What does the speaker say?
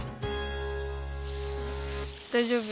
大丈夫？